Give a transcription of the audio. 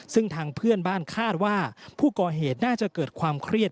ซึ่งทางเพื่อนบ้านคาดว่าผู้ก่อเหตุน่าจะเกิดความเครียด